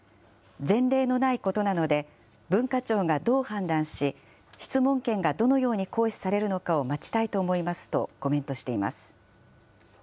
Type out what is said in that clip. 前例のないことなので文化庁がどう判断し、質問権がどのように行使されるのかを待ちたいと思いますとコメントしています。